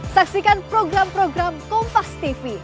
saksikan program program kompas tv